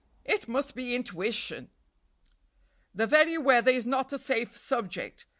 It must be intuition!... "The very weather is not a safe subject.